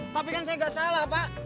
tapi kan saya nggak salah pak